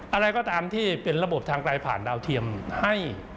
อะไรก็ตามที่เป็นระบบทางไกลผ่านดาวเทียมให้